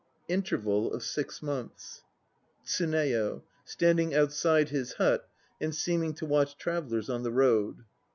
(Interval of Six Months.) TSUNEYO (standing outside his hut and seeming to watch travellers on the road).